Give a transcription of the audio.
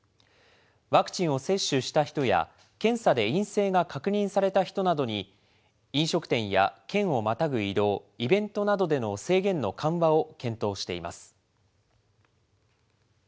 ワクチンを接種した人や、検査で陰性が確認された人などに、飲食店や県をまたぐ移動、イベントなどでの制限の緩和を検討しています。